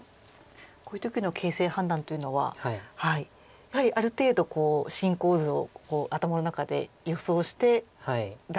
こういう時の形勢判断というのはやはりある程度進行図を頭の中で予想して出していくんですか？